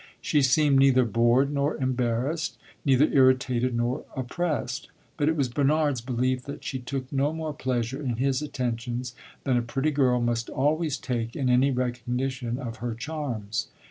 She seemed neither bored nor embarrassed, neither irritated nor oppressed. But it was Bernard's belief that she took no more pleasure in his attentions than a pretty girl must always take in any recognition of her charms.